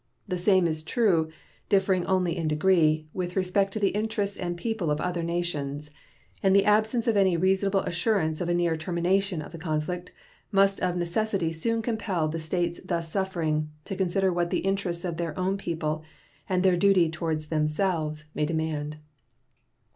The same is true, differing only in degree, with respect to the interests and people of other nations; and the absence of any reasonable assurance of a near termination of the conflict must of necessity soon compel the States thus suffering to consider what the interests of their own people and their duty toward themselves may demand.